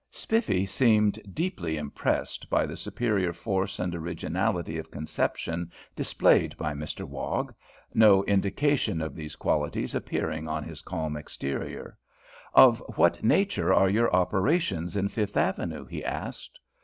Spiffy seemed deeply impressed by the superior force and originality of conception displayed by Mr Wog no indication of these qualities appearing on his calm exterior. "Of what nature are your operations in Fifth Avenue?" he asked.